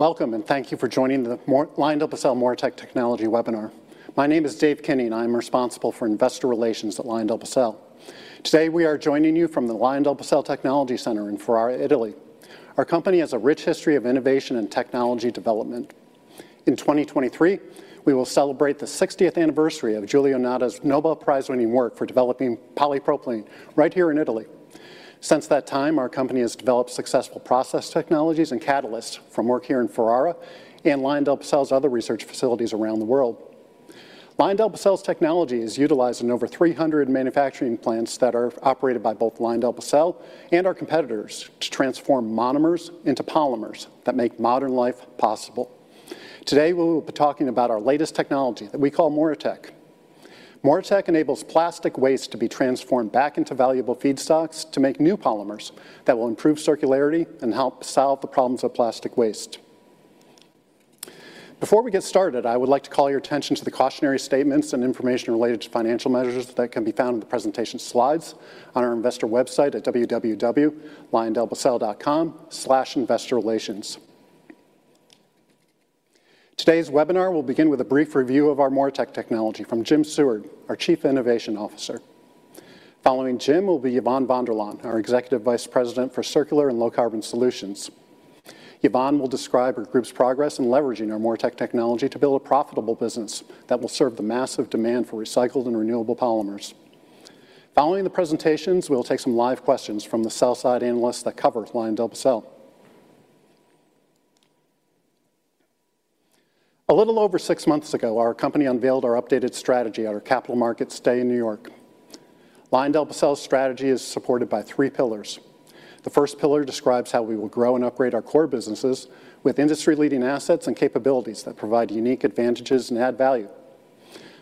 Welcome, and thank you for joining the LyondellBasell MoReTec technology webinar. My name is David Kinney, and I'm responsible for investor relations at LyondellBasell. Today, we are joining you from the LyondellBasell Technology Center in Ferrara, Italy. Our company has a rich history of innovation and technology development. In 2023, we will celebrate the sixtieth anniversary of Giulio Natta's Nobel Prize-winning work for developing polypropylene right here in Italy. Since that time, our company has developed successful process technologies and catalysts from work here in Ferrara and LyondellBasell's other research facilities around the world. LyondellBasell's technology is utilized in over 300 manufacturing plants that are operated by both LyondellBasell and our competitors to transform monomers into polymers that make modern life possible. Today, we will be talking about our latest technology that we call MoReTec. MoReTec enables plastic waste to be transformed back into valuable feedstocks to make new polymers that will improve circularity and help solve the problems of plastic waste. Before we get started, I would like to call your attention to the cautionary statements and information related to financial measures that can be found in the presentation slides on our investor website at www.lyondellbasell.com/investorrelations. Today's webinar will begin with a brief review of our MoReTec technology from Jim Seward, our Chief Innovation Officer. Following Jim will be Yvonne van der Laan, our Executive Vice President for Circular and Low Carbon Solutions. Yvonne will describe her group's progress in leveraging our MoReTec technology to build a profitable business that will serve the massive demand for recycled and renewable polymers. Following the presentations, we will take some live questions from the sell-side analysts that cover LyondellBasell. A little over six months ago, our company unveiled our updated strategy at our Capital Markets Day in New York. LyondellBasell's strategy is supported by three pillars. The first pillar describes how we will grow and upgrade our core businesses with industry-leading assets and capabilities that provide unique advantages and add value.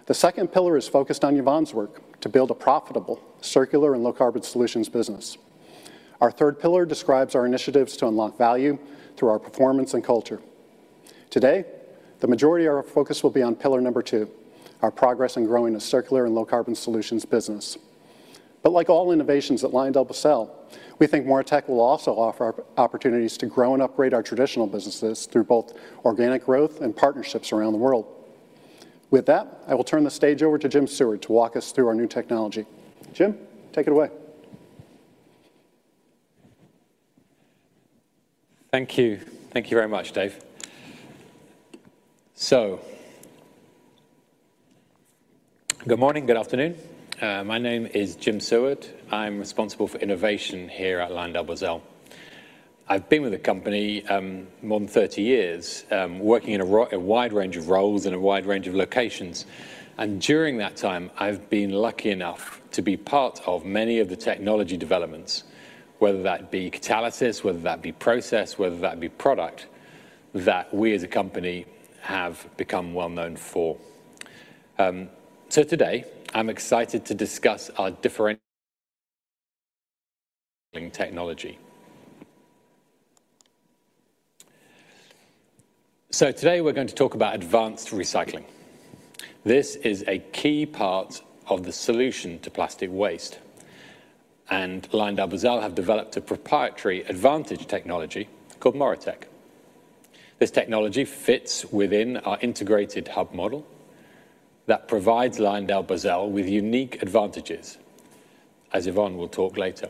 The second pillar is focused on Yvonne's work to build a profitable, circular, and low-carbon solutions business. Our third pillar describes our initiatives to unlock value through our performance and culture. Today, the majority of our focus will be on pillar number two, our progress in growing a circular and low-carbon solutions business. But like all innovations at LyondellBasell, we think MoReTec will also offer opportunities to grow and upgrade our traditional businesses through both organic growth and partnerships around the world. With that, I will turn the stage over to Jim Seward to walk us through our new technology. Jim, take it away. Thank you. Thank you very much, Dave. Good morning, good afternoon. My name is Jim Seward. I'm responsible for innovation here at LyondellBasell. I've been with the company more than 30 years, working in a wide range of roles in a wide range of locations, and during that time, I've been lucky enough to be part of many of the technology developments, whether that be catalysis, whether that be process, whether that be product, that we as a company have become well known for. Today, I'm excited to discuss our different technology. Today, we're going to talk about advanced recycling. This is a key part of the solution to plastic waste, and LyondellBasell have developed a proprietary advanced technology called MoReTec. This technology fits within our integrated hub model that provides LyondellBasell with unique advantages, as Yvonne will talk later.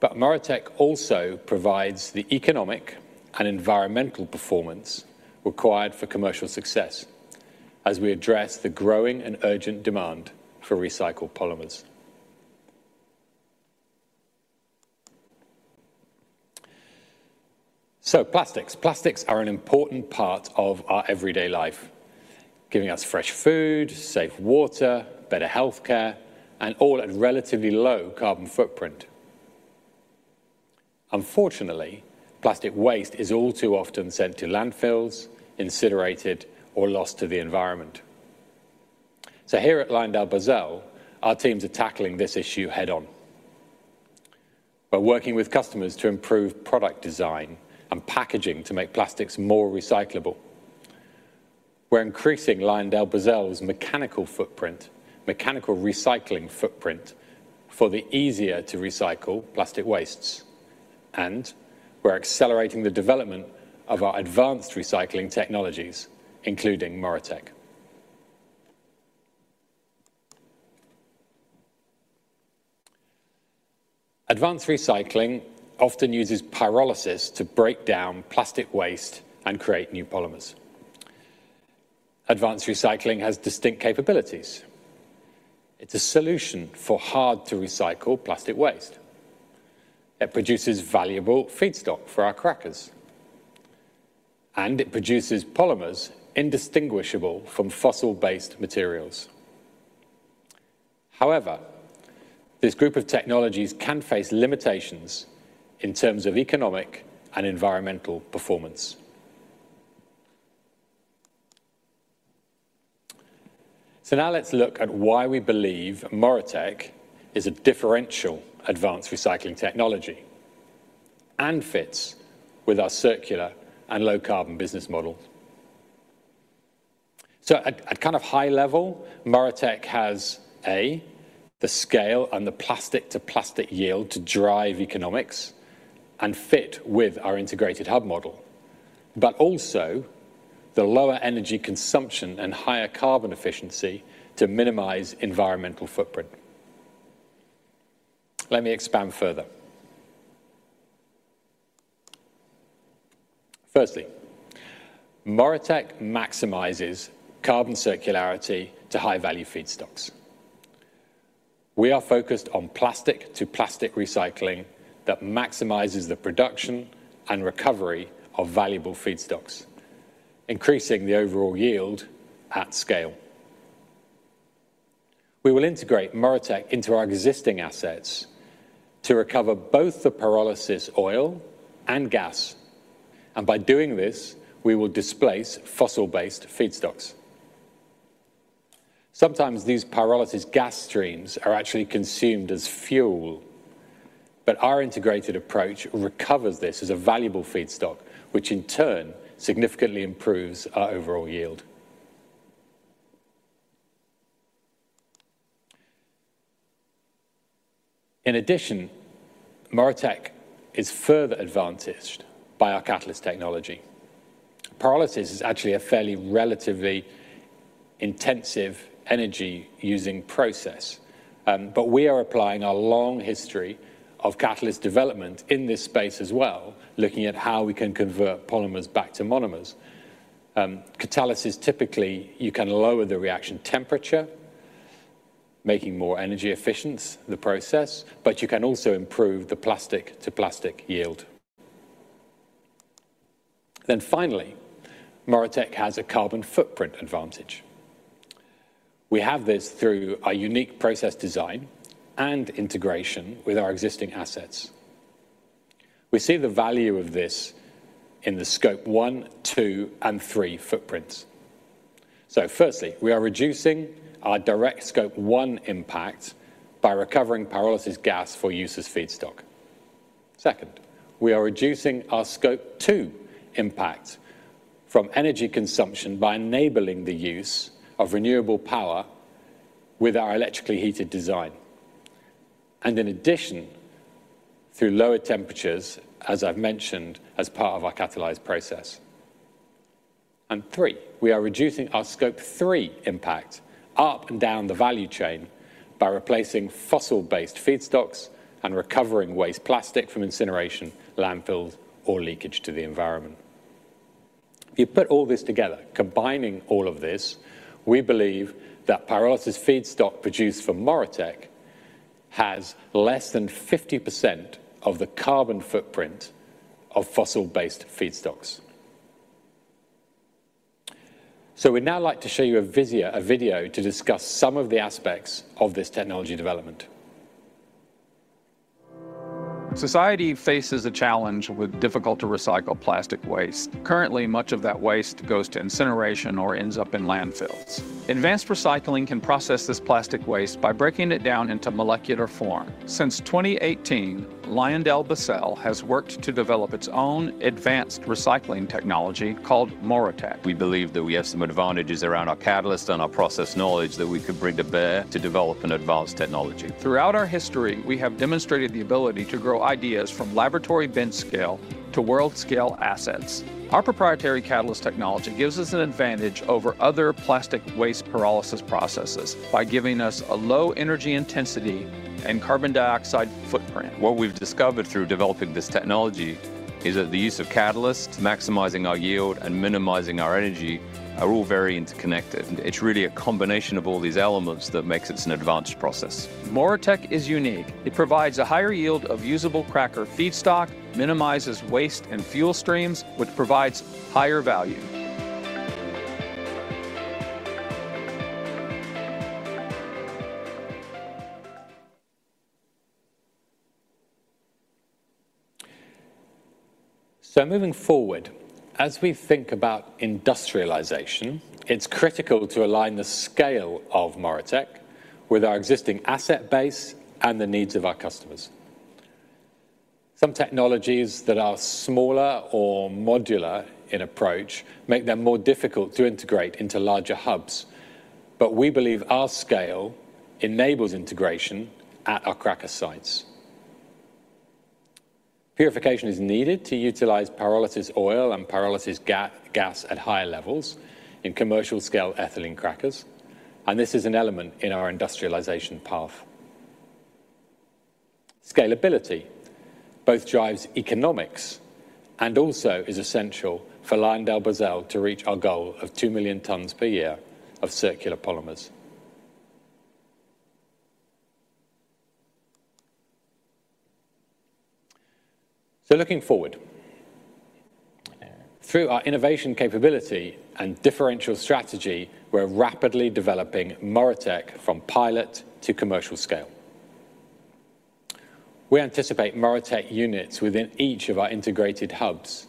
But MoReTec also provides the economic and environmental performance required for commercial success as we address the growing and urgent demand for recycled polymers. So plastics. Plastics are an important part of our everyday life, giving us fresh food, safe water, better healthcare, and all at relatively low carbon footprint. Unfortunately, plastic waste is all too often sent to landfills, incinerated, or lost to the environment. So here at LyondellBasell, our teams are tackling this issue head-on. We're working with customers to improve product design and packaging to make plastics more recyclable. We're increasing LyondellBasell's mechanical footprint, mechanical recycling footprint for the easier-to-recycle plastic wastes, and we're accelerating the development of our advanced recycling technologies, including MoReTec. Advanced recycling often uses pyrolysis to break down plastic waste and create new polymers. Advanced recycling has distinct capabilities. It's a solution for hard-to-recycle plastic waste. It produces valuable feedstock for our crackers, and it produces polymers indistinguishable from fossil-based materials. However, this group of technologies can face limitations in terms of economic and environmental performance. So now let's look at why we believe MoReTec is a differential advanced recycling technology and fits with our circular and low-carbon business model. So at kind of high level, MoReTec has A, the scale and the plastic-to-plastic yield to drive economics and fit with our integrated hub model, but also the lower energy consumption and higher carbon efficiency to minimize environmental footprint. Let me expand further. Firstly, MoReTec maximizes carbon circularity to high-value feedstocks. We are focused on plastic-to-plastic recycling that maximizes the production and recovery of valuable feedstocks, increasing the overall yield at scale. We will integrate MoReTec into our existing assets to recover both the pyrolysis oil and gas, and by doing this, we will displace fossil-based feedstocks. Sometimes these pyrolysis gas streams are actually consumed as fuel, but our integrated approach recovers this as a valuable feedstock, which in turn significantly improves our overall yield. In addition, MoReTec is further advantaged by our catalyst technology. Pyrolysis is actually a fairly relatively intensive energy-using process, but we are applying our long history of catalyst development in this space as well, looking at how we can convert polymers back to monomers. Catalysis, typically, you can lower the reaction temperature, making more energy efficient the process, but you can also improve the plastic-to-plastic yield. Then finally, MoReTec has a carbon footprint advantage. We have this through our unique process design and integration with our existing assets. We see the value of this in the Scope 1, 2, and 3 footprints. Firstly, we are reducing our direct Scope 1 impact by recovering pyrolysis gas for use as feedstock. Second, we are reducing our Scope 2 impact from energy consumption by enabling the use of renewable power with our electrically heated design, and in addition, through lower temperatures, as I've mentioned, as part of our catalyzed process. Three, we are reducing our Scope 3 impact up and down the value chain by replacing fossil-based feedstocks and recovering waste plastic from incineration, landfills, or leakage to the environment. If you put all this together, combining all of this, we believe that pyrolysis feedstock produced from MoReTec has less than 50% of the carbon footprint of fossil-based feedstocks. So we'd now like to show you a video to discuss some of the aspects of this technology development. Society faces a challenge with difficult-to-recycle plastic waste. Currently, much of that waste goes to incineration or ends up in landfills. Advanced recycling can process this plastic waste by breaking it down into molecular form. Since 2018, LyondellBasell has worked to develop its own advanced recycling technology called MoReTec. We believe that we have some advantages around our catalyst and our process knowledge that we could bring to bear to develop an advanced technology. Throughout our history, we have demonstrated the ability to grow ideas from laboratory bench scale to world scale assets. Our proprietary catalyst technology gives us an advantage over other plastic waste pyrolysis processes by giving us a low energy intensity and carbon dioxide footprint. What we've discovered through developing this technology is that the use of catalysts, maximizing our yield, and minimizing our energy are all very interconnected. It's really a combination of all these elements that makes it an advanced process. MoReTec is unique. It provides a higher yield of usable cracker feedstock, minimizes waste and fuel streams, which provides higher value. So moving forward, as we think about industrialization, it's critical to align the scale of MoReTec with our existing asset base and the needs of our customers. Some technologies that are smaller or modular in approach make them more difficult to integrate into larger hubs, but we believe our scale enables integration at our cracker sites. Purification is needed to utilize pyrolysis oil and pyrolysis gas at higher levels in commercial-scale ethylene crackers, and this is an element in our industrialization path. Scalability both drives economics and also is essential for LyondellBasell to reach our goal of 2 million tons per year of circular polymers. So looking forward, through our innovation capability and differential strategy, we're rapidly developing MoReTec from pilot to commercial scale. We anticipate MoReTec units within each of our integrated hubs.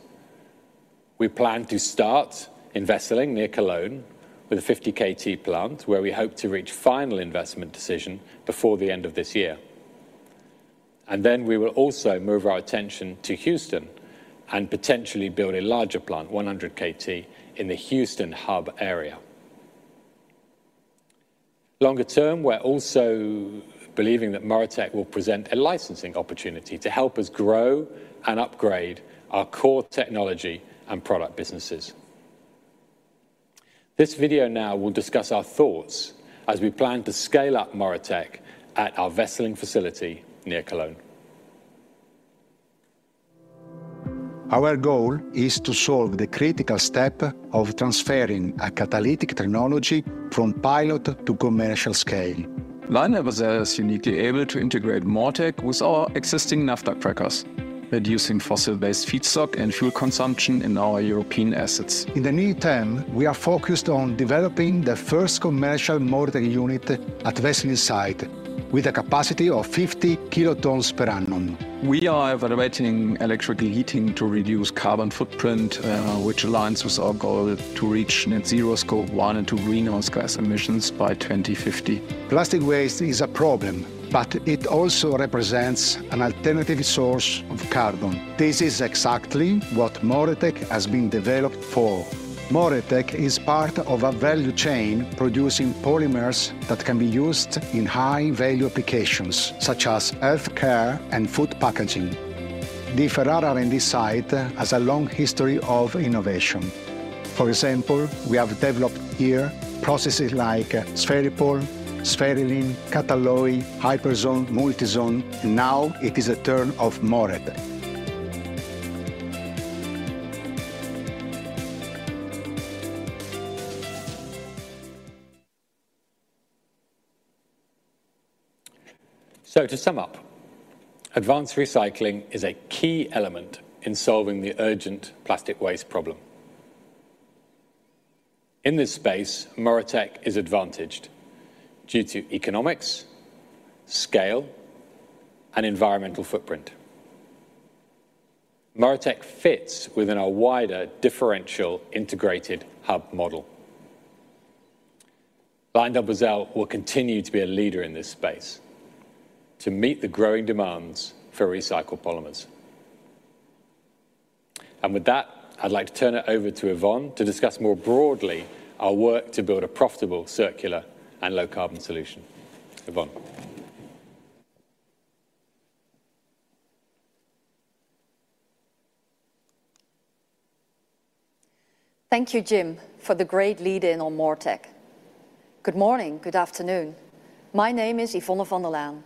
We plan to start in Wesseling, near Cologne, with a 50 KT plant, where we hope to reach final investment decision before the end of this year... And then we will also move our attention to Houston, and potentially build a larger plant, 100 KT, in the Houston hub area. Longer term, we're also believing that MoReTec will present a licensing opportunity to help us grow and upgrade our core technology and product businesses. This video now will discuss our thoughts as we plan to scale up MoReTec at our Wesseling facility near Cologne. Our goal is to solve the critical step of transferring a catalytic technology from pilot to commercial scale. LyondellBasell is uniquely able to integrate MoReTec with our existing naphtha crackers, reducing fossil-based feedstock and fuel consumption in our European assets. In the near term, we are focused on developing the first commercial MoReTec unit at Wesseling site, with a capacity of 50 kilotons per annum. We are evaluating electrical heating to reduce carbon footprint, which aligns with our goal to reach net zero Scope 1 and 2 greenhouse gas emissions by 2050. Plastic waste is a problem, but it also represents an alternative source of carbon. This is exactly what MoReTec has been developed for. MoReTec is part of a value chain producing polymers that can be used in high-value applications, such as healthcare and food packaging. The Ferrara R&D site has a long history of innovation. For example, we have developed here processes like, Spheripol, Spherizone, Catalloy, Hyperzone, Multizone, now it is the turn of MoReTec. To sum up, advanced recycling is a key element in solving the urgent plastic waste problem. In this space, MoReTec is advantaged due to economics, scale, and environmental footprint. MoReTec fits within our wider differential integrated hub model. LyondellBasell will continue to be a leader in this space to meet the growing demands for recycled polymers. With that, I'd like to turn it over to Yvonne to discuss more broadly our work to build a profitable, circular, and low-carbon solution. Yvonne? Thank you, Jim, for the great lead in on MoReTec. Good morning, good afternoon. My name is Yvonne van der Laan,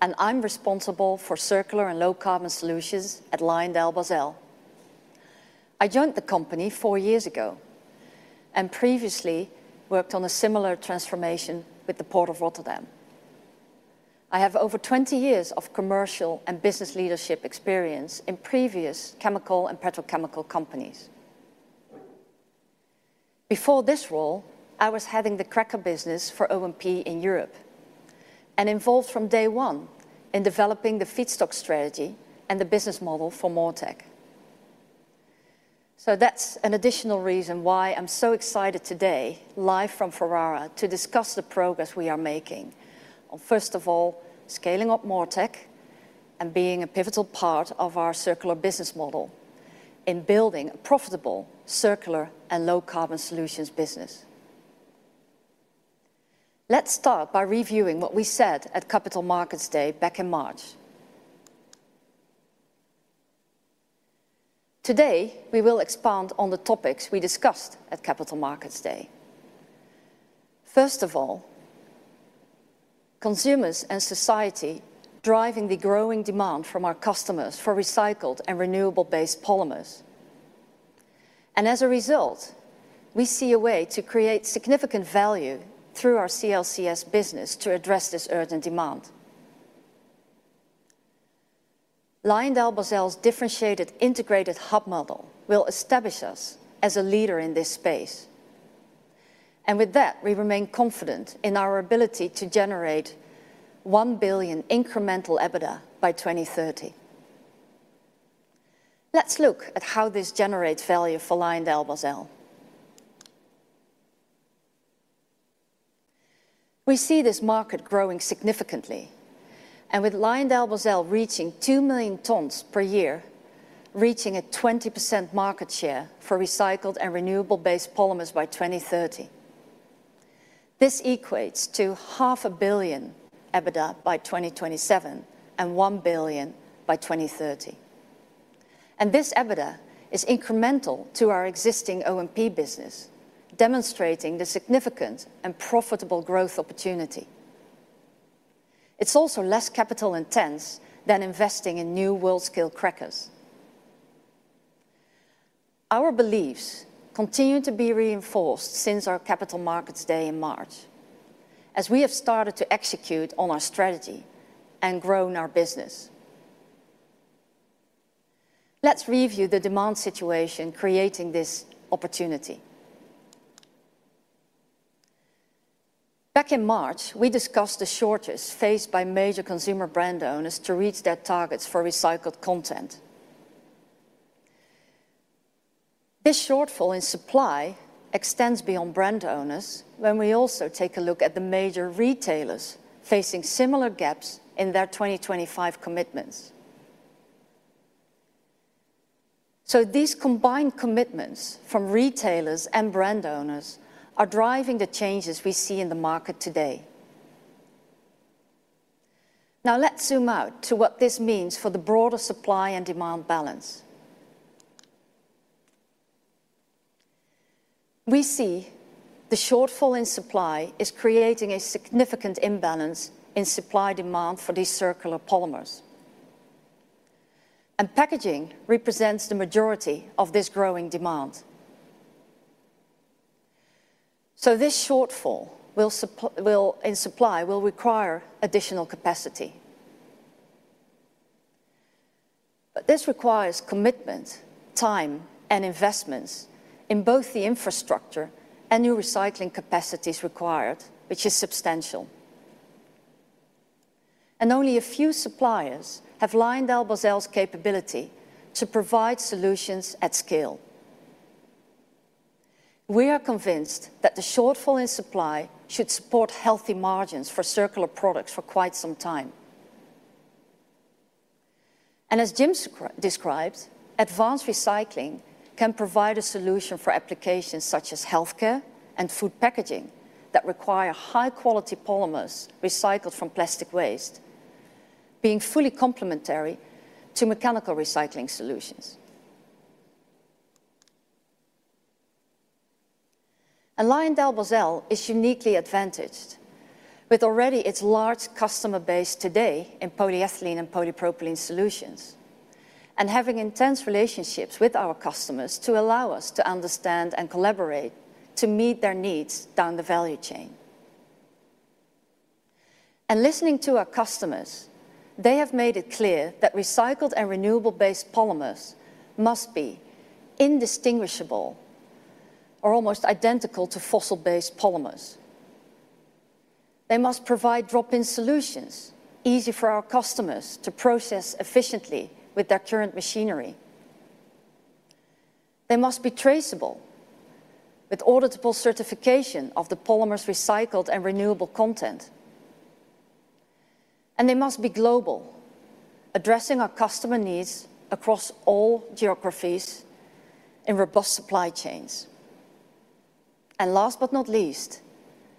and I'm responsible for circular and low-carbon solutions at LyondellBasell. I joined the company 4 years ago, and previously worked on a similar transformation with the Port of Rotterdam. I have over 20 years of commercial and business leadership experience in previous chemical and petrochemical companies. Before this role, I was heading the cracker business for O&P in Europe, and involved from day one in developing the feedstock strategy and the business model for MoReTec. That's an additional reason why I'm so excited today, live from Ferrara, to discuss the progress we are making on, first of all, scaling up MoReTec and being a pivotal part of our circular business model in building a profitable, circular, and low-carbon solutions business. Let's start by reviewing what we said at Capital Markets Day back in March. Today, we will expand on the topics we discussed at Capital Markets Day. First of all, consumers and society driving the growing demand from our customers for recycled and renewable-based polymers. As a result, we see a way to create significant value through our CLCS business to address this urgent demand. LyondellBasell's differentiated integrated hub model will establish us as a leader in this space. With that, we remain confident in our ability to generate $1 billion incremental EBITDA by 2030. Let's look at how this generates value for LyondellBasell. We see this market growing significantly, and with LyondellBasell reaching 2 million tons per year, reaching a 20% market share for recycled and renewable-based polymers by 2030. This equates to $500 million EBITDA by 2027, and $1 billion by 2030. This EBITDA is incremental to our existing O&P business, demonstrating the significant and profitable growth opportunity. It's also less capital intense than investing in new world-scale crackers. Our beliefs continue to be reinforced since our Capital Markets Day in March, as we have started to execute on our strategy and grown our business. Let's review the demand situation creating this opportunity. Back in March, we discussed the shortages faced by major consumer brand owners to reach their targets for recycled content. This shortfall in supply extends beyond brand owners when we also take a look at the major retailers facing similar gaps in their 2025 commitments. These combined commitments from retailers and brand owners are driving the changes we see in the market today. Now, let's zoom out to what this means for the broader supply and demand balance. We see the shortfall in supply is creating a significant imbalance in supply-demand for these circular polymers, and packaging represents the majority of this growing demand. So this shortfall in supply will require additional capacity. But this requires commitment, time, and investments in both the infrastructure and new recycling capacities required, which is substantial. And only a few suppliers have LyondellBasell's capability to provide solutions at scale. We are convinced that the shortfall in supply should support healthy margins for circular products for quite some time. And as Jim describes, advanced recycling can provide a solution for applications such as healthcare and food packaging that require high-quality polymers recycled from plastic waste, being fully complementary to mechanical recycling solutions. LyondellBasell is uniquely advantaged, with already its large customer base today in polyethylene and polypropylene solutions, and having intense relationships with our customers to allow us to understand and collaborate to meet their needs down the value chain. Listening to our customers, they have made it clear that recycled and renewable-based polymers must be indistinguishable or almost identical to fossil-based polymers. They must provide drop-in solutions, easy for our customers to process efficiently with their current machinery. They must be traceable, with auditable certification of the polymer's recycled and renewable content. They must be global, addressing our customer needs across all geographies in robust supply chains. Last but not least,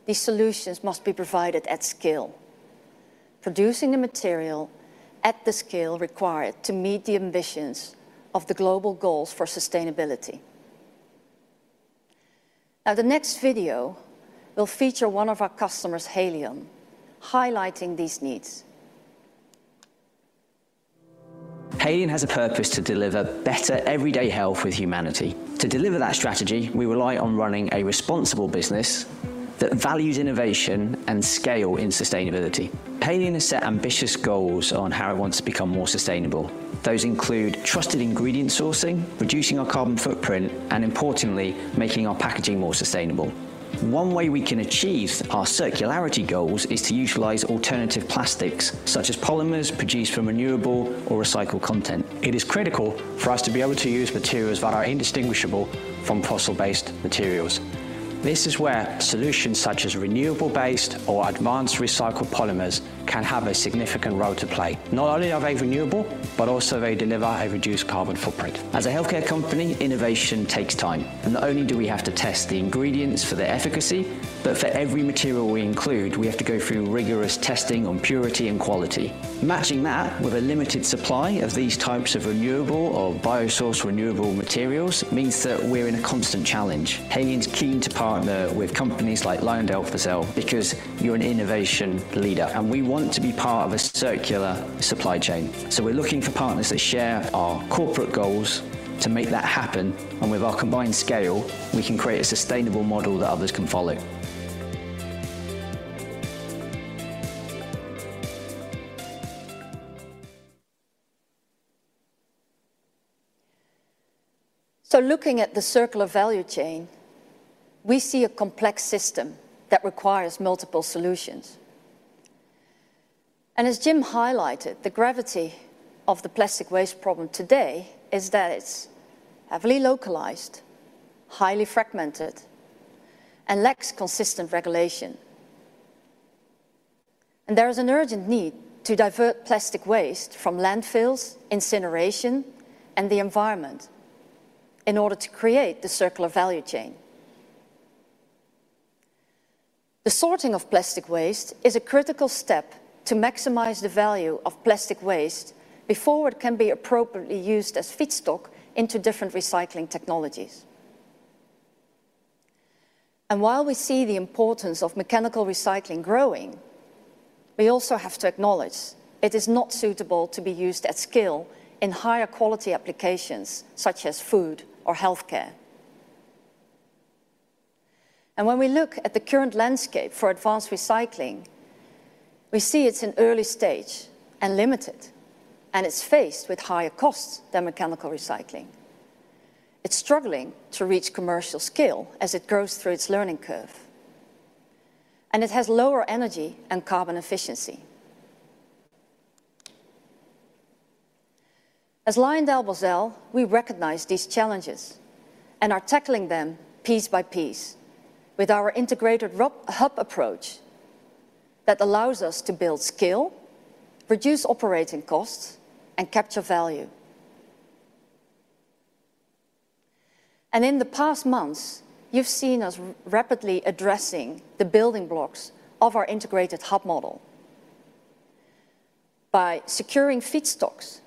these solutions must be provided at scale, producing the material at the scale required to meet the ambitions of the global goals for sustainability. Now, the next video will feature one of our customers, Haleon, highlighting these needs. Haleon has a purpose to deliver better everyday health with humanity. To deliver that strategy, we rely on running a responsible business that values innovation and scale in sustainability. Haleon has set ambitious goals on how it wants to become more sustainable. Those include trusted ingredient sourcing, reducing our carbon footprint, and importantly, making our packaging more sustainable. One way we can achieve our circularity goals is to utilize alternative plastics, such as polymers produced from renewable or recycled content. It is critical for us to be able to use materials that are indistinguishable from fossil-based materials. This is where solutions such as renewable-based or advanced recycled polymers can have a significant role to play. Not only are they renewable, but also they deliver a reduced carbon footprint. As a healthcare company, innovation takes time, and not only do we have to test the ingredients for their efficacy, but for every material we include, we have to go through rigorous testing on purity and quality. Matching that with a limited supply of these types of renewable or biosourced renewable materials, means that we're in a constant challenge. Haleon's keen to partner with companies like LyondellBasell because you're an innovation leader, and we want to be part of a circular supply chain. So we're looking for partners that share our corporate goals to make that happen, and with our combined scale, we can create a sustainable model that others can follow. Looking at the circular value chain, we see a complex system that requires multiple solutions. As Jim highlighted, the gravity of the plastic waste problem today is that it's heavily localized, highly fragmented, and lacks consistent regulation. There is an urgent need to divert plastic waste from landfills, incineration, and the environment in order to create the circular value chain. The sorting of plastic waste is a critical step to maximize the value of plastic waste before it can be appropriately used as feedstock into different recycling technologies. While we see the importance of mechanical recycling growing, we also have to acknowledge it is not suitable to be used at scale in higher quality applications, such as food or healthcare. When we look at the current landscape for advanced recycling, we see it's in early stage and limited, and it's faced with higher costs than mechanical recycling. It's struggling to reach commercial scale as it goes through its learning curve, and it has lower energy and carbon efficiency. As LyondellBasell, we recognize these challenges and are tackling them piece by piece with our integrated O&P-hub approach, that allows us to build scale, reduce operating costs, and capture value. In the past months, you've seen us rapidly addressing the building blocks of our integrated hub model, by securing feedstocks,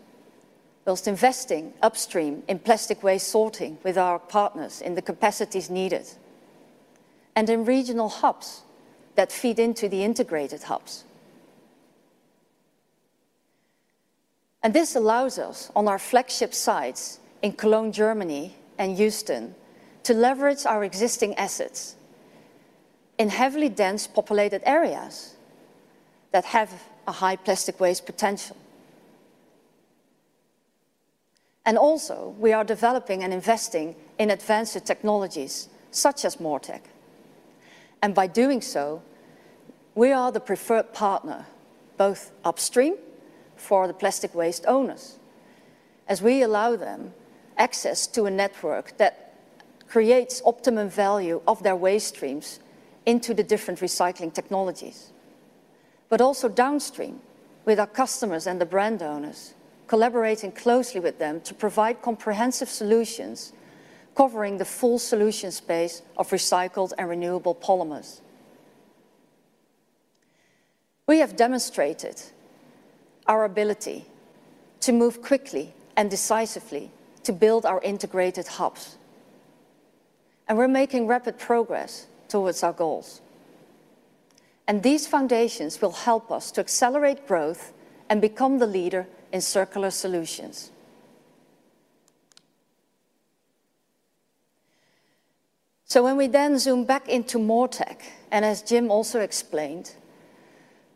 while investing upstream in plastic waste sorting with our partners in the capacities needed, and in regional hubs that feed into the integrated hubs. This allows us, on our flagship sites in Cologne, Germany, and Houston, to leverage our existing assets in heavily dense populated areas that have a high plastic waste potential. Also, we are developing and investing in advanced technologies, such as MoReTec. By doing so, we are the preferred partner, both upstream for the plastic waste owners, as we allow them access to a network that creates optimum value of their waste streams into the different recycling technologies. But also downstream, with our customers and the brand owners, collaborating closely with them to provide comprehensive solutions, covering the full solution space of recycled and renewable polymers. We have demonstrated our ability to move quickly and decisively to build our integrated hubs, and we're making rapid progress towards our goals. These foundations will help us to accelerate growth and become the leader in circular solutions. So when we then zoom back into MoReTec, and as Jim also explained,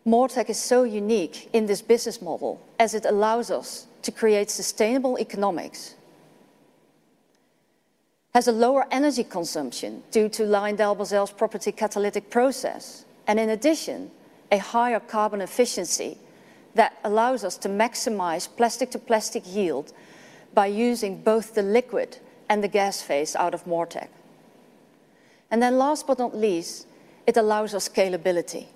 MoReTec is so unique in this business model, as it allows us to create sustainable economics, has a lower energy consumption due to LyondellBasell's proprietary catalytic process, and in addition, a higher carbon efficiency that allows us to maximize plastic-to-plastic yield by using both the liquid and the gas phase out of MoReTec. And then last but not least, it allows us scalability.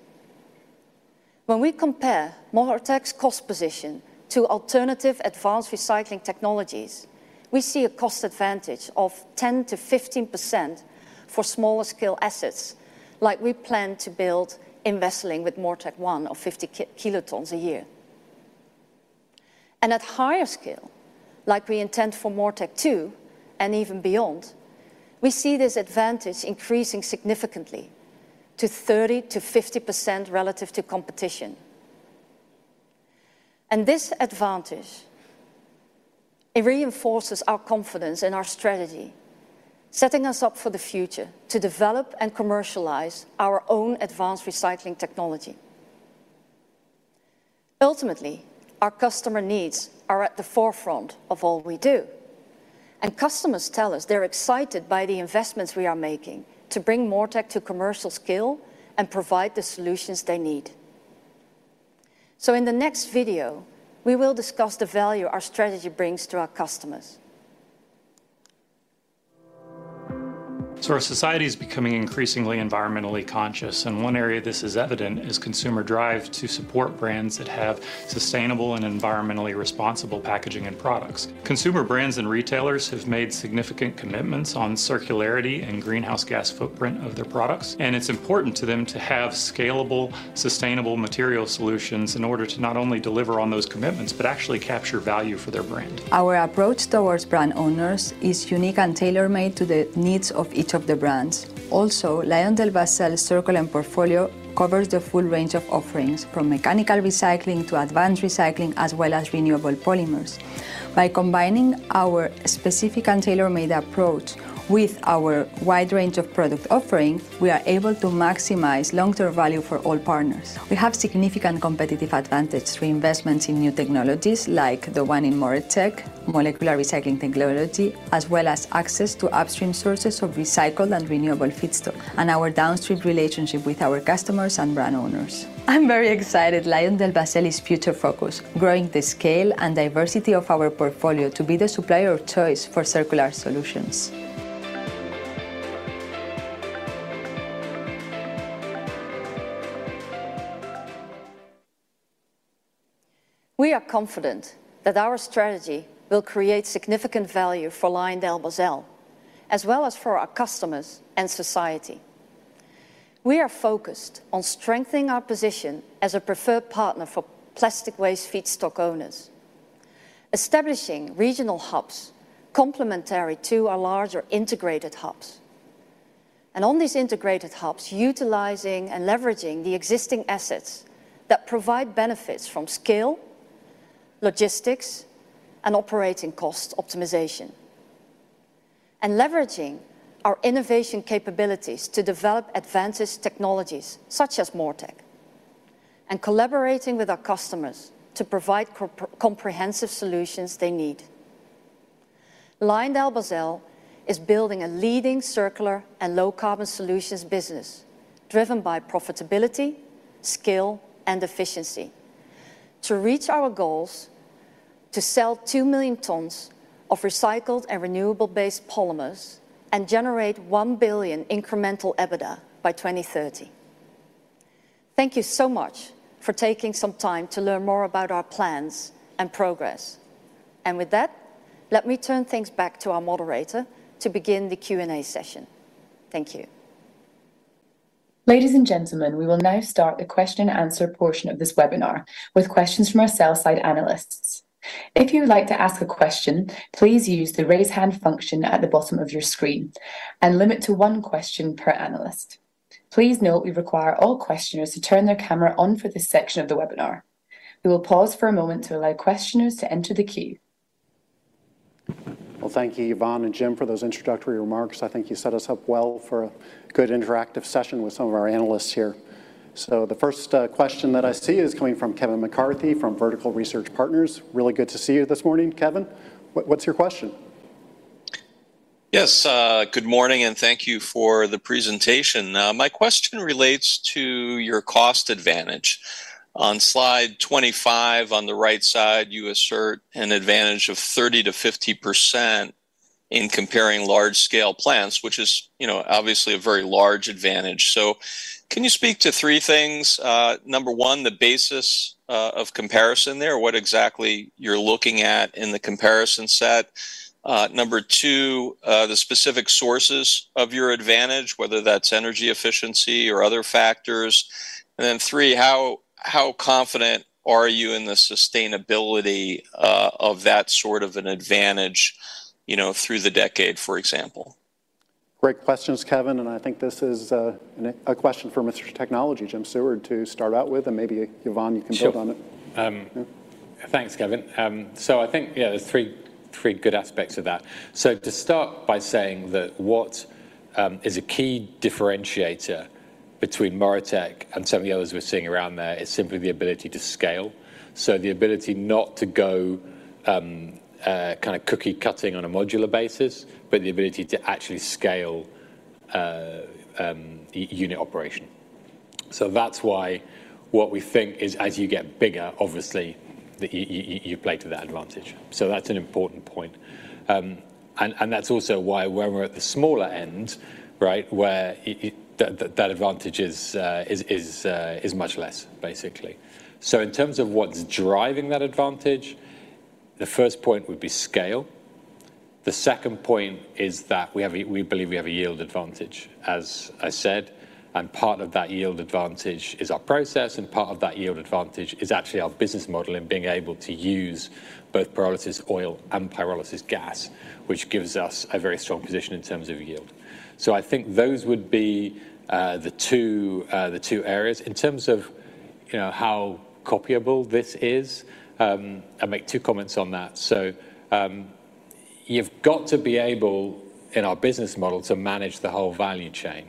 When we compare MoReTec's cost position to alternative advanced recycling technologies, we see a cost advantage of 10%-15% for smaller scale assets, like we plan to build in Wesseling with MoReTec one of 50 kilotons a year. And at higher scale, like we intend for MoReTec 2, and even beyond, we see this advantage increasing significantly to 30%-50% relative to competition. This advantage, it reinforces our confidence in our strategy, setting us up for the future to develop and commercialize our own advanced recycling technology. Ultimately, our customer needs are at the forefront of all we do, and customers tell us they're excited by the investments we are making to bring MoReTec to commercial scale and provide the solutions they need. In the next video, we will discuss the value our strategy brings to our customers. So our society is becoming increasingly environmentally conscious, and one area this is evident is consumer drive to support brands that have sustainable and environmentally responsible packaging and products. Consumer brands and retailers have made significant commitments on circularity and greenhouse gas footprint of their products, and it's important to them to have scalable, sustainable material solutions in order to not only deliver on those commitments, but actually capture value for their brand. Our approach towards brand owners is unique and tailor-made to the needs of each of the brands. Also, LyondellBasell's circular portfolio covers the full range of offerings, from mechanical recycling to advanced recycling, as well as renewable polymers. By combining our specific and tailor-made approach with our wide range of product offering, we are able to maximize long-term value for all partners. We have significant competitive advantage through investments in new technologies like the one in MoReTec, molecular recycling technology, as well as access to upstream sources of recycled and renewable feedstock, and our downstream relationship with our customers and brand owners. I'm very excited LyondellBasell's future focus, growing the scale and diversity of our portfolio to be the supplier of choice for circular solutions. We are confident that our strategy will create significant value for LyondellBasell, as well as for our customers and society. We are focused on strengthening our position as a preferred partner for plastic waste feedstock owners, establishing regional hubs complementary to our larger integrated hubs. And on these integrated hubs, utilizing and leveraging the existing assets that provide benefits from scale, logistics, and operating cost optimization, and leveraging our innovation capabilities to develop advanced technologies, such as MoReTec, and collaborating with our customers to provide comprehensive solutions they need.... LyondellBasell is building a leading circular and low carbon solutions business, driven by profitability, scale, and efficiency. To reach our goals, to sell 2 million tons of recycled and renewable-based polymers and generate $1 billion incremental EBITDA by 2030. Thank you so much for taking some time to learn more about our plans and progress. With that, let me turn things back to our moderator to begin the Q&A session. Thank you. Ladies and gentlemen, we will now start the question and answer portion of this webinar, with questions from our sell-side analysts. If you would like to ask a question, please use the Raise Hand function at the bottom of your screen, and limit to one question per analyst. Please note, we require all questioners to turn their camera on for this section of the webinar. We will pause for a moment to allow questioners to enter the queue. Well, thank you, Yvonne and Jim, for those introductory remarks. I think you set us up well for a good interactive session with some of our analysts here. So the first question that I see is coming from Kevin McCarthy, from Vertical Research Partners. Really good to see you this morning, Kevin. What's your question? Yes, good morning, and thank you for the presentation. My question relates to your cost advantage. On slide 25, on the right side, you assert an advantage of 30%-50% in comparing large-scale plants, which is, you know, obviously a very large advantage. So can you speak to three things? Number one, the basis of comparison there, what exactly you're looking at in the comparison set? Number two, the specific sources of your advantage, whether that's energy efficiency or other factors. And then three, how confident are you in the sustainability of that sort of an advantage, you know, through the decade, for example? Great questions, Kevin, and I think this is a question for Mr. Technology, Jim Seward, to start out with, and maybe, Yvonne, you can build on it. Sure. Um... Thanks, Kevin. So I think, yeah, there's three good aspects of that. So to start by saying that what is a key differentiator between MoReTec and some of the others we're seeing around there is simply the ability to scale. So the ability not to go kind of cookie-cutter on a modular basis, but the ability to actually scale unit operation. So that's why what we think is, as you get bigger, obviously, that you play to that advantage. So that's an important point. And that's also why when we're at the smaller end, right, where that advantage is much less, basically. So in terms of what's driving that advantage, the first point would be scale. The second point is that we have a yield advantage, as I said, and part of that yield advantage is our process, and part of that yield advantage is actually our business model and being able to use both pyrolysis oil and pyrolysis gas, which gives us a very strong position in terms of yield. So I think those would be the two areas. In terms of, you know, how copyable this is, I'll make two comments on that. So, you've got to be able, in our business model, to manage the whole value chain.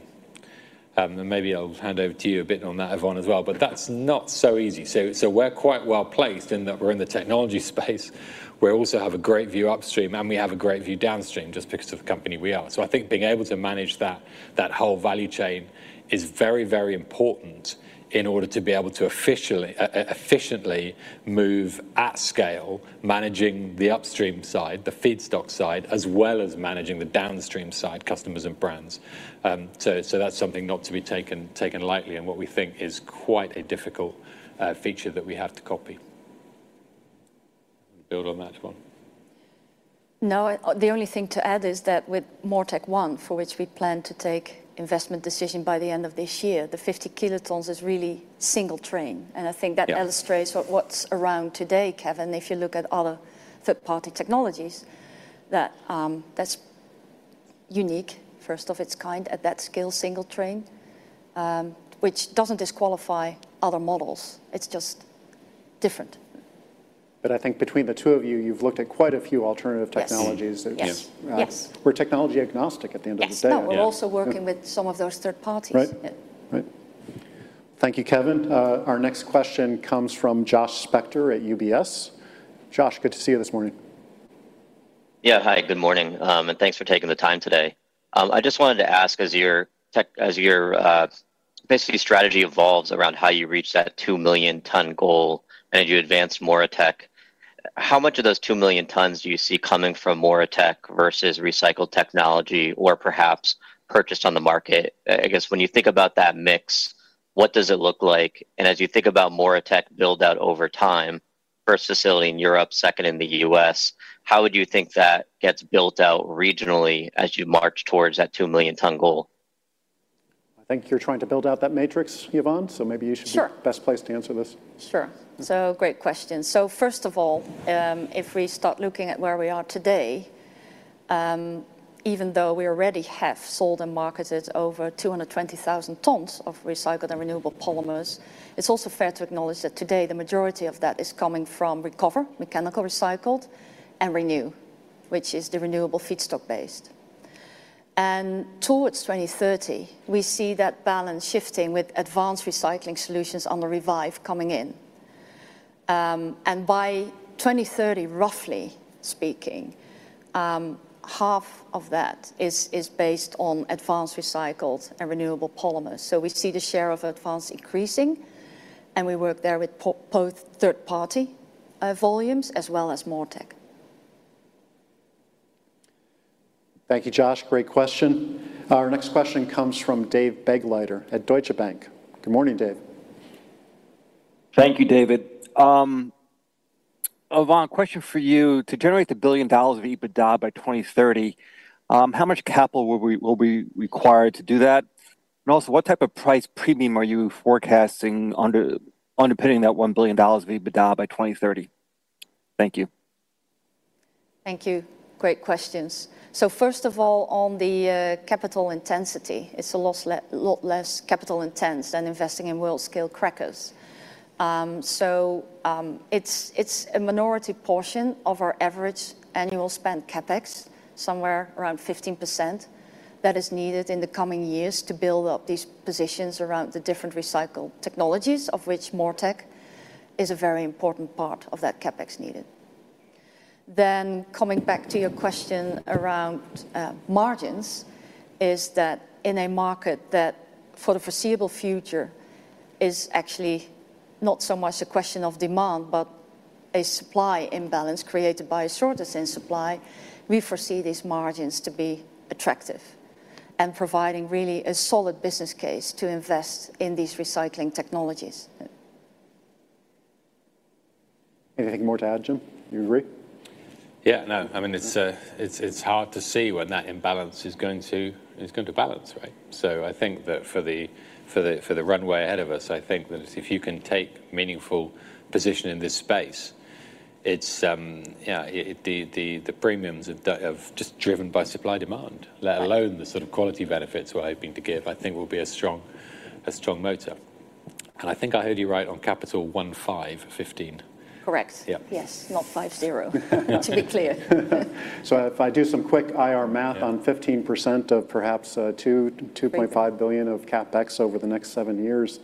And maybe I'll hand over to you a bit on that, Yvonne, as well, but that's not so easy. So, we're quite well placed in that we're in the technology space. We also have a great view upstream, and we have a great view downstream, just because of the company we are. So I think being able to manage that, that whole value chain is very, very important in order to be able to officially, efficiently move at scale, managing the upstream side, the feedstock side, as well as managing the downstream side, customers and brands. So, so that's something not to be taken, taken lightly, and what we think is quite a difficult feature that we have to copy. Build on that, Yvonne. No, the only thing to add is that with MoReTec One, for which we plan to take investment decision by the end of this year, the 50 kilotons is really single train. Yeah. I think that illustrates what's around today, Kevin, if you look at other third-party technologies, that's unique, first of its kind at that scale, single train, which doesn't disqualify other models. It's just different. I think between the two of you, you've looked at quite a few alternative technologies. Yes. Yeah. Yes. We're technology agnostic at the end of the day. Yes. Yeah. We're also working with some of those third parties. Right. Yeah. Right. Thank you, Kevin. Our next question comes from Josh Spector at UBS. Josh, good to see you this morning. Yeah. Hi, good morning, and thanks for taking the time today. I just wanted to ask, as your, basically, strategy evolves around how you reach that 2 million ton goal, and as you advance MoReTec, how much of those 2 million tons do you see coming from MoReTec versus recycled technology, or perhaps purchased on the market? I guess when you think about that mix, what does it look like? And as you think about MoReTec build-out over time, first facility in Europe, second in the U.S., how would you think that gets built out regionally as you march towards that 2 million ton goal? I think you're trying to build out that matrix, Yvonne, so maybe you should be- Sure Best placed to answer this. Sure. So great question. So first of all, if we start looking at where we are today, even though we already have sold and marketed over 220,000 tons of recycled and renewable polymers, it's also fair to acknowledge that today, the majority of that is coming from recover, mechanical recycled, and renew, which is the renewable feedstock based. And towards 2030, we see that balance shifting with advanced recycling solutions on the revive coming in, and by 2030, roughly speaking, half of that is based on advanced recycled and renewable polymers. So we see the share of advanced increasing, and we work there with both third party volumes as well as MoReTec. Thank you, Josh. Great question. Our next question comes from Dave Begleiter at Deutsche Bank. Good morning, Dave. Thank you, David. Yvonne, question for you. To generate $1 billion of EBITDA by 2030, how much capital will be required to do that? And also, what type of price premium are you forecasting underpinning that $1 billion of EBITDA by 2030? Thank you. Thank you. Great questions. So first of all, on the capital intensity, it's a lot less capital intense than investing in world-scale crackers. So, it's a minority portion of our average annual spend CapEx, somewhere around 15%, that is needed in the coming years to build up these positions around the different recycled technologies, of which MoReTec is a very important part of that CapEx needed. Then coming back to your question around margins, is that in a market that for the foreseeable future is actually not so much a question of demand, but a supply imbalance created by a shortage in supply, we foresee these margins to be attractive and providing really a solid business case to invest in these recycling technologies. Anything more to add, Jim? You agree? Yeah, no. I mean, it's hard to see when that imbalance is going to balance, right? So I think that for the runway ahead of us, I think that if you can take meaningful position in this space, it's, yeah, the premiums of that have just driven by supply demand, let alone the sort of quality benefits we're hoping to give, I think will be a strong motor. And I think I heard you right on capital 15, 15. Correct. Yeah. Yes. Not 50, to be clear. So if I do some quick IR math- Yeah - on 15% of perhaps two to 2.5 billion of CapEx over the next 7 years,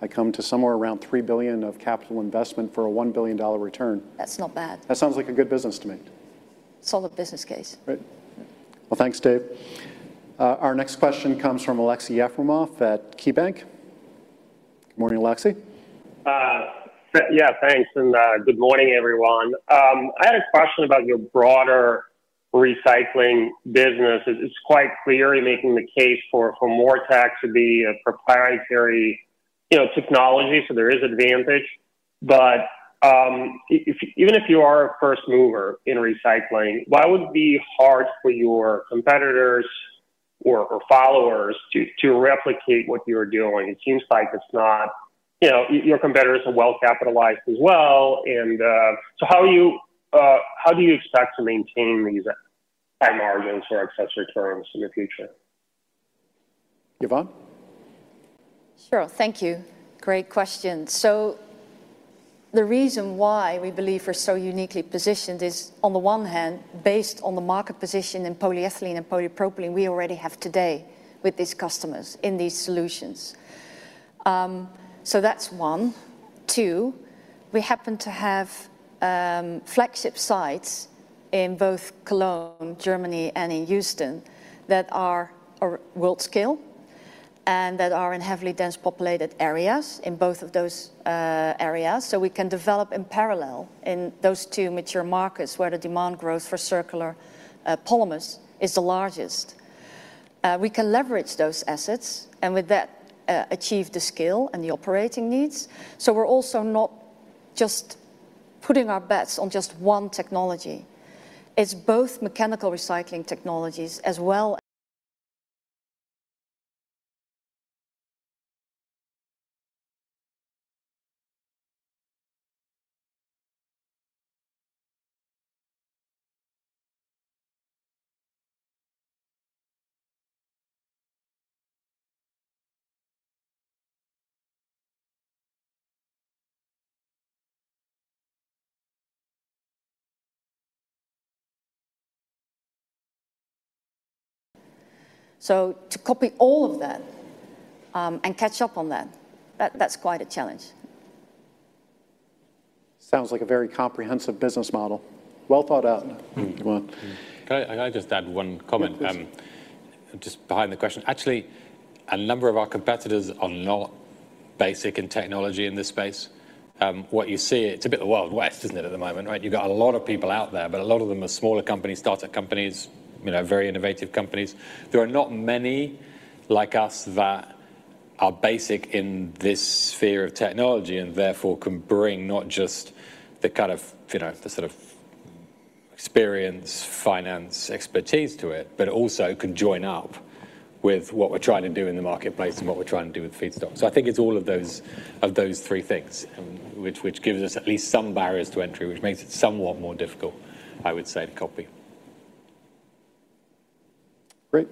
I come to somewhere around $3 billion of capital investment for a $1 billion return. That's not bad. That sounds like a good business to me. Solid business case. Right. Well, thanks, Dave. Our next question comes from Aleksey Yefremov at KeyBanc. Good morning, Aleksey. Yeah, thanks, and good morning, everyone. I had a question about your broader recycling business. It's quite clear you're making the case for MoReTec to be a proprietary, you know, technology, so there is advantage. But even if you are a first mover in recycling, why would it be hard for your competitors or followers to replicate what you're doing? It seems like it's not you know, your competitors are well capitalized as well. And so how do you expect to maintain these high margins or excess returns in the future? Yvonne? Sure. Thank you. Great question. So the reason why we believe we're so uniquely positioned is, on the one hand, based on the market position in polyethylene and polypropylene we already have today with these customers in these solutions. So that's one. Two, we happen to have flagship sites in both Cologne, Germany, and in Houston, that are world scale, and that are in heavily dense populated areas in both of those areas. So we can develop in parallel in those two mature markets where the demand growth for circular polymers is the largest. We can leverage those assets, and with that, achieve the scale and the operating needs. So we're also not just putting our bets on just one technology. It's both mechanical recycling technologies as well. To copy all of that and catch up on that, that's quite a challenge. Sounds like a very comprehensive business model. Well thought out, Yvonne. Can I just add one comment? Yes, please. Just behind the question. Actually, a number of our competitors are not basic in technology in this space. What you see, it's a bit of the Wild West, isn't it, at the moment, right? You've got a lot of people out there, but a lot of them are smaller companies, startup companies, you know, very innovative companies. There are not many like us that are basic in this sphere of technology, and therefore, can bring not just the kind of, you know, the sort of experience, finance, expertise to it, but also can join up with what we're trying to do in the marketplace and what we're trying to do with feedstock. So I think it's all of those, of those three things, which gives us at least some barriers to entry, which makes it somewhat more difficult, I would say, to copy. Great.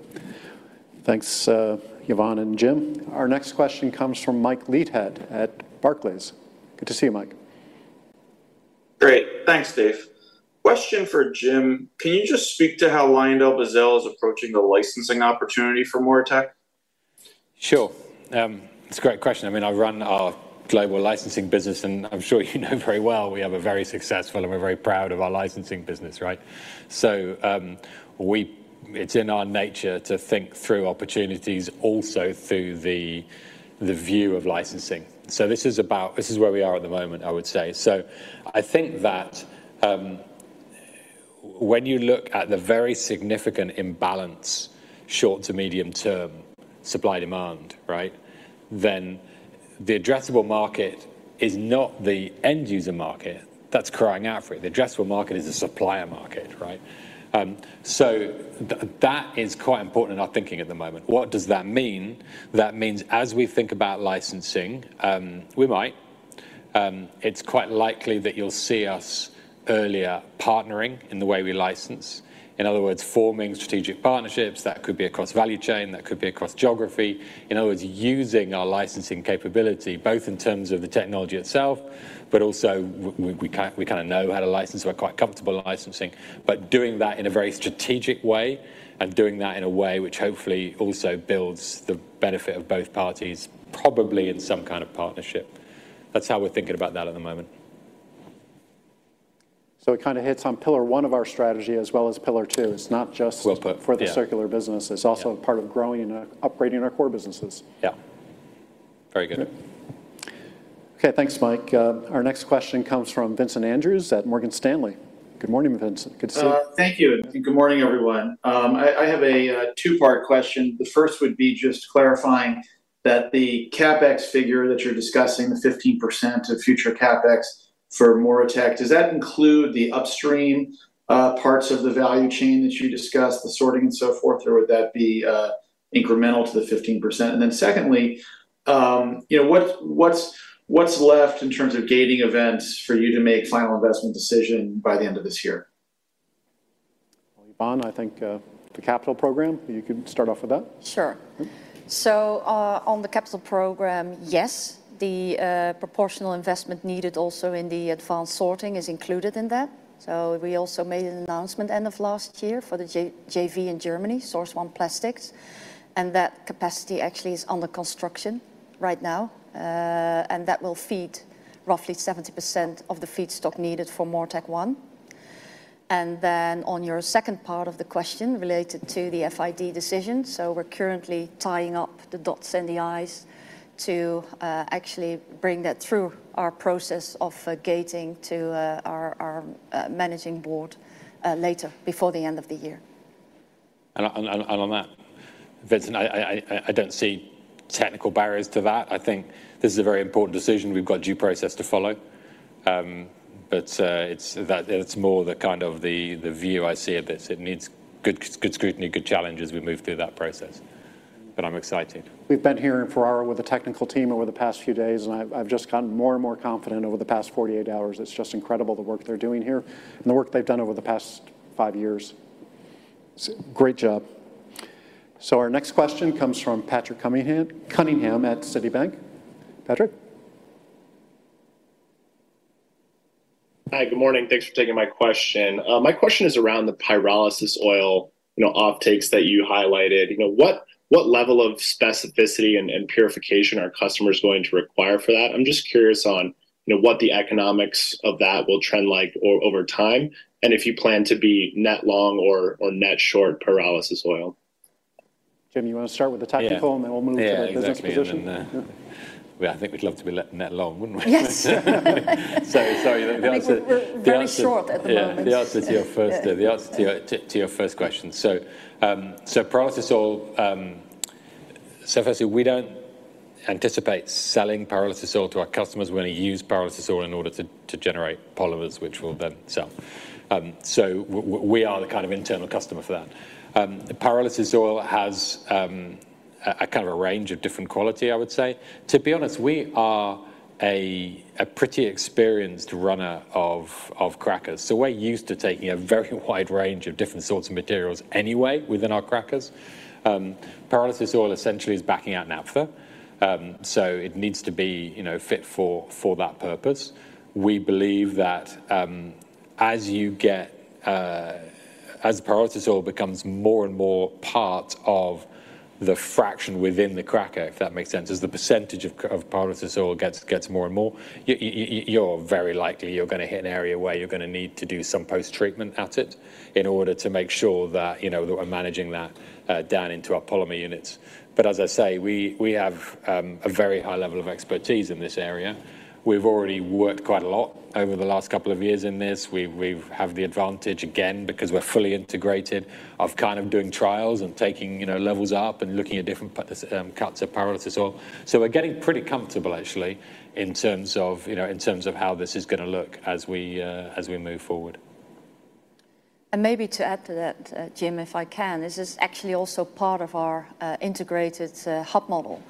Thanks, Yvonne and Jim. Our next question comes from Mike Leithead at Barclays. Good to see you, Mike. Great. Thanks, Dave. Question for Jim. Can you just speak to how LyondellBasell is approaching the licensing opportunity for MoReTec? Sure. It's a great question. I mean, I run our global licensing business, and I'm sure you know very well we have a very successful and we're very proud of our licensing business, right? So, it's in our nature to think through opportunities also through the view of licensing. So this is where we are at the moment, I would say. So I think that, when you look at the very significant imbalance, short to medium term, supply-demand, right? Then the addressable market is not the end-user market that's crying out for it. The addressable market is a supplier market, right? So that is quite important in our thinking at the moment. What does that mean? That means as we think about licensing, we might, it's quite likely that you'll see us earlier partnering in the way we license. In other words, forming strategic partnerships, that could be across value chain, that could be across geography. In other words, using our licensing capability, both in terms of the technology itself, but also we kind a know how to license. We're quite comfortable in licensing. But doing that in a very strategic way, and doing that in a way which hopefully also builds the benefit of both parties, probably in some kind of partnership. That's how we're thinking about that at the moment. So it kind a hits on pillar one of our strategy as well as pillar two. It's not just- Well put, yeah. For the circular business. Yeah. It's also a part of growing and upgrading our core businesses. Yeah. Very good. Okay, thanks, Mike. Our next question comes from Vincent Andrews at Morgan Stanley. Good morning, Vincent. Good to see you. Thank you, and good morning, everyone. I have a two-part question. The first would be just clarifying that the CapEx figure that you're discussing, the 15% of future CapEx for MoReTec, does that include the upstream parts of the value chain that you discussed, the sorting and so forth, or would that be incremental to the 15%? And then secondly, you know, what's left in terms of gating events for you to make final investment decision by the end of this year? Yvonne, I think, the capital program, you could start off with that. Sure. Mm-hmm. So, on the capital program, yes, the proportional investment needed also in the advanced sorting is included in that. So we also made an announcement end of last year for the JV in Germany, Source One Plastics, and that capacity actually is under construction right now. And that will feed roughly 70% of the feedstock needed for MoReTec one. And then on your second part of the question, related to the FID decision, so we're currently tying up the dots and the i's to actually bring that through our process of gating to our managing board later, before the end of the year. On that, Vincent, I don't see technical barriers to that. I think this is a very important decision. We've got due process to follow. But it's more the kind of view I see of this. It needs good scrutiny, good challenge as we move through that process. But I'm excited. We've been here in Ferrara with the technical team over the past few days, and I've, I've just gotten more and more confident over the past 48 hours. It's just incredible, the work they're doing here and the work they've done over the past 5 years. Great job. So our next question comes from Patrick Cunningham at Citibank. Patrick? Hi, good morning. Thanks for taking my question. My question is around the pyrolysis oil, you know, offtakes that you highlighted. You know, what level of specificity and purification are customers going to require for that? I'm just curious on, you know, what the economics of that will trend like over time, and if you plan to be net long or net short pyrolysis oil. Jim, you want to start with the technical- Yeah And then we'll move to the business position? Yeah, exactly. And then, well, I think we'd love to be net, net long, wouldn't we? Yes. So sorry, the answer. We're very short at the moment. Yeah, the answer to your first question. So, pyrolysis oil, firstly, we don't anticipate selling pyrolysis oil to our customers. We're going to use pyrolysis oil in order to generate polymers, which we'll then sell. So we are the kind of internal customer for that. The pyrolysis oil has a kind of a range of different quality, I would say. To be honest, we are a pretty experienced runner of crackers, so we're used to taking a very wide range of different sorts of materials anyway, within our crackers. Pyrolysis oil essentially is backing out naphtha, so it needs to be, you know, fit for that purpose. We believe that, as you get... As the pyrolysis oil becomes more and more part of the fraction within the cracker, if that makes sense, as the percentage of pyrolysis oil gets more and more, you're very likely gonna hit an area where you're gonna need to do some post-treatment at it in order to make sure that, you know, that we're managing that down into our polymer units. But as I say, we have a very high level of expertise in this area. We've already worked quite a lot over the last couple of years in this. We have the advantage, again, because we're fully integrated, of kind of doing trials and taking, you know, levels up and looking at different cuts of pyrolysis oil. We're getting pretty comfortable, actually, in terms of, you know, in terms of how this is gonna look as we move forward. And maybe to add to that, Jim, if I can, this is actually also part of our integrated hub model.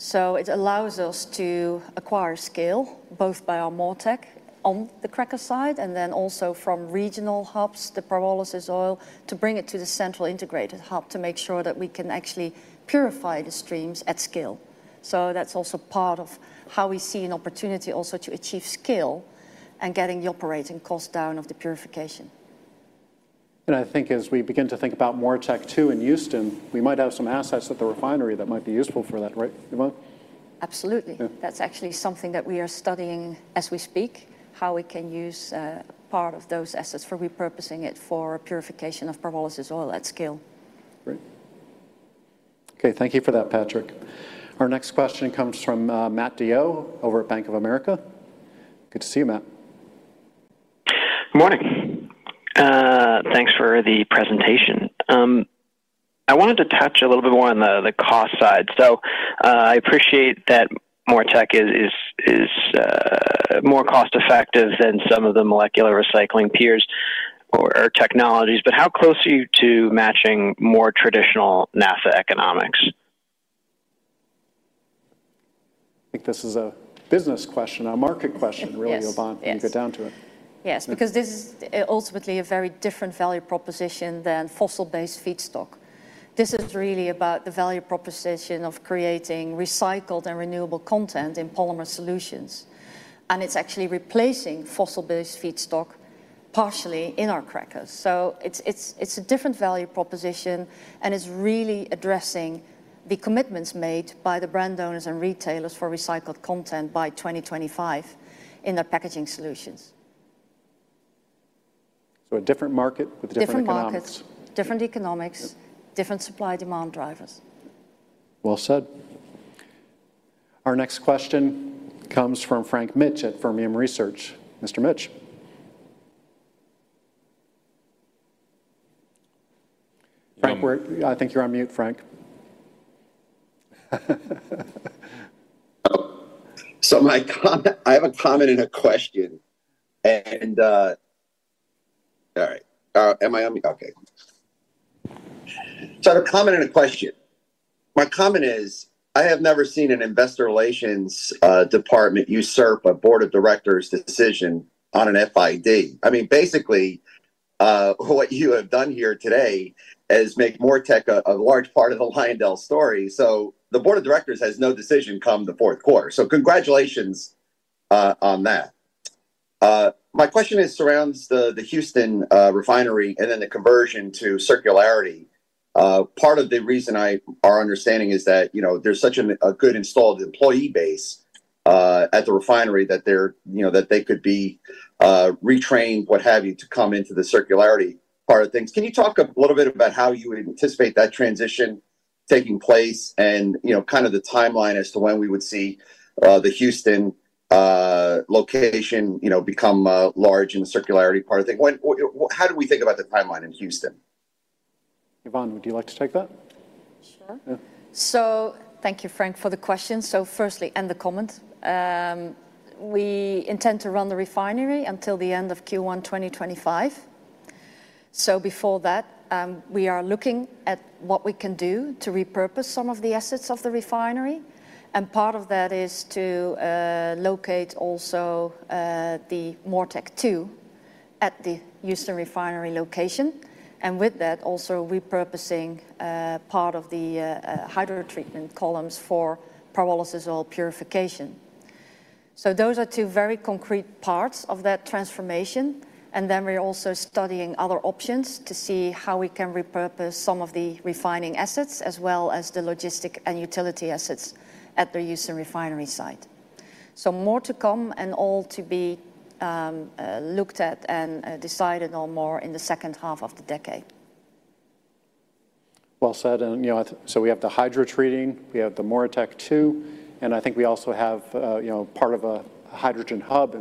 So it allows us to acquire scale, both by our MoReTec on the cracker side, and then also from regional hubs, the pyrolysis oil, to bring it to the central integrated hub to make sure that we can actually purify the streams at scale. So that's also part of how we see an opportunity also to achieve scale and getting the operating cost down of the purification. And I think as we begin to think about MoReTec, too, in Houston, we might have some assets at the refinery that might be useful for that, right, Yvonne? Absolutely. Yeah. That's actually something that we are studying as we speak, how we can use part of those assets for repurposing it for purification of pyrolysis oil at scale. Great. Okay, thank you for that, Patrick. Our next question comes from Matthew DeYoe over at Bank of America. Good to see you, Matt. Good morning. Thanks for the presentation. I wanted to touch a little bit more on the cost side. So, I appreciate that MoReTec is more cost-effective than some of the molecular recycling peers or technologies, but how close are you to matching more traditional naphtha economics? I think this is a business question, a market question. Yes Really, Yvonne, when you get down to it. Yes, because this is ultimately a very different value proposition than fossil-based feedstock. This is really about the value proposition of creating recycled and renewable content in polymer solutions, and it's actually replacing fossil-based feedstock partially in our crackers. So it's, it's, it's a different value proposition, and it's really addressing the commitments made by the brand owners and retailers for recycled content by 2025 in their packaging solutions. A different market with different economics. Different markets, different economics- Yeah Different supply-demand drivers. Well said. Our next question comes from Frank Mitsch at Fermium Research. Mr. Mitsch? Frank, we're I think you're on mute, Frank. So I have a comment and a question. My comment is, I have never seen an investor relations department usurp a board of directors' decision on an FID. I mean, basically, what you have done here today is make MoReTec a large part of the Lyondell story. So the board of directors has no decision come the Q4, so congratulations on that. My question surrounds the Houston refinery and then the conversion to circularity. Part of the reason our understanding is that, you know, there's such a good installed employee base at the refinery that they're, you know, that they could be retrained, what have you, to come into the circularity part of things. Can you talk a little bit about how you would anticipate that transition taking place and, you know, kind of the timeline as to when we would see the Houston location, you know, become large in the circularity part of things? When, what, how do we think about the timeline in Houston? Yvonne, would you like to take that? Sure. Yeah. Thank you, Frank, for the question. Firstly, and the comment, we intend to run the refinery until the end of Q1 2025. Before that, we are looking at what we can do to repurpose some of the assets of the refinery, and part of that is to locate also the MoReTec 2 at the Houston Refinery location, and with that, also repurposing part of the hydrotreatment columns for pyrolysis oil purification. Those are two very concrete parts of that transformation, and then we're also studying other options to see how we can repurpose some of the refining assets, as well as the logistic and utility assets at the Houston Refinery site. More to come and all to be looked at and decided on more in the second half of the decade. Well said. And, you know, so we have the hydrotreating, we have the MoReTec 2, and I think we also have, you know, part of a hydrogen hub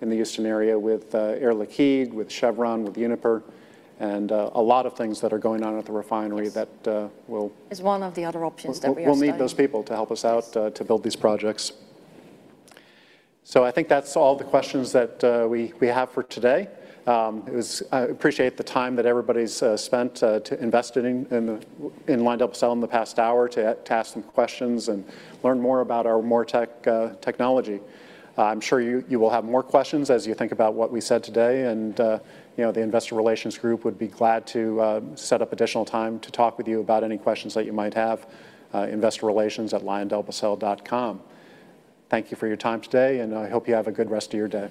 in the Houston area with Air Liquide, with Chevron, with Uniper, and a lot of things that are going on at the refinery- Yes That, will- It's one of the other options that we are studying. We'll need those people to help us out- Yes To build these projects. So I think that's all the questions that we have for today. It was. I appreciate the time that everybody's spent to investing in LyondellBasell in the past hour to ask some questions and learn more about our MoReTec technology. I'm sure you will have more questions as you think about what we said today, and you know, the investor relations group would be glad to set up additional time to talk with you about any questions that you might have, investorrelations@lyondellbasell.com. Thank you for your time today, and I hope you have a good rest of your day.